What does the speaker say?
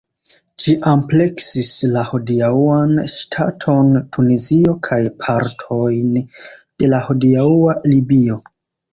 Ĝi ampleksis la hodiaŭan ŝtaton Tunizio kaj partojn de la hodiaŭa Libio.